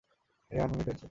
রেহান অনেক হয়েছে।